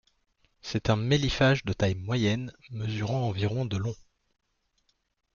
C'est un méliphage de taille moyenne, mesurant environ de long.